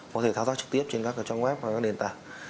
có thể tháo ra trực tiếp trên các trang web và các đền tảng